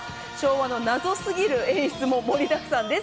昭和の謎過ぎる演出も盛りだくさんです。